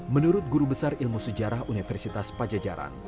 menurut guru besar ilmu sejarah universitas pajajaran